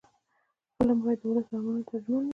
فلم باید د ولس د ارمانونو ترجمان وي